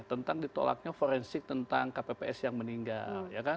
tentang ditolaknya forensik tentang kpps yang meninggal